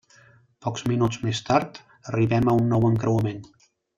Pocs minuts més tard arribem a un nou encreuament.